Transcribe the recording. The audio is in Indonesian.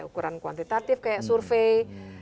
ukuran kuantitatif kayak survei